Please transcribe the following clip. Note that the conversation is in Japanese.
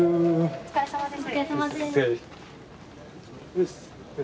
お疲れさまです。